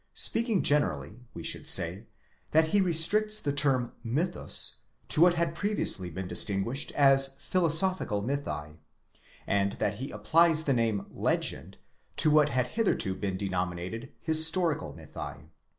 Speaking generally, we should say, that he restricts the term mythus to what had previously been distinguished as philosophical mythi; and that he applies the name /egend to what had hitherto been denominated historical mythi.